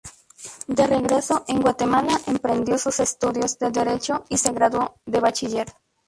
De regreso en Guatemala, emprendió sus estudios de derecho y se graduó de bachiller.